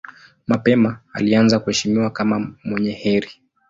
Mapema alianza kuheshimiwa kama mwenye heri.